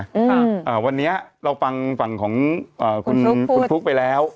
อ่าวันนี้เราฟังของคุณฟุ๊กไปแล้ว